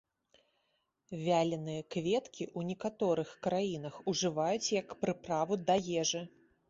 Вяленыя кветкі ў некаторых краінах ужываюць як прыправу да ежы.